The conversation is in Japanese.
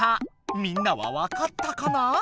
みんなはわかったかな？